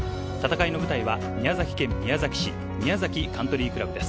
舞台は宮崎県宮崎市、宮崎カントリークラブです。